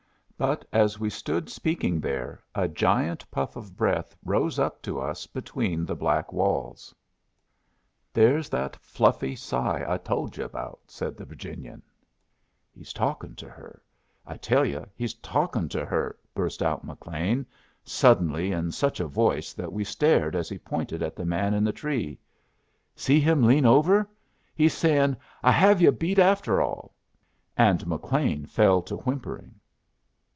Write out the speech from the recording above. But as we stood speaking there, a giant puff of breath rose up to us between the black walls. "There's that fluffy sigh I told yu' about," said the Virginian. "He's talkin' to her! I tell yu' he's talkin' to her!" burst out McLean, suddenly, in such a voice that we stared as he pointed at the man in the tree. "See him lean over! He's sayin', 'I have yu' beat after all.'" And McLean fell to whimpering.